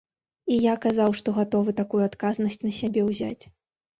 І я казаў, што гатовы такую адказнасць на сябе ўзяць.